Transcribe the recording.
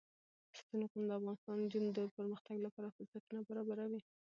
ستوني غرونه د افغان نجونو د پرمختګ لپاره فرصتونه برابروي.